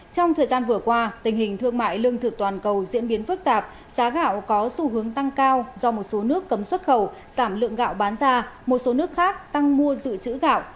trong thời gian vừa qua tình hình thương mại lương thực toàn cầu diễn biến phức tạp giá gạo có xu hướng tăng cao do một số nước cấm xuất khẩu giảm lượng gạo bán ra một số nước khác tăng mua dự trữ gạo